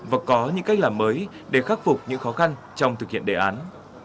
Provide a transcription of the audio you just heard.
và có những cách làm mới để khắc phục những khó khăn trong thực hiện đề án